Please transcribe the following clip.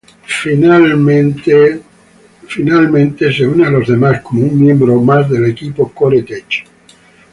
Finalmente se une a los demás como un miembro más del equipo Core-Tech.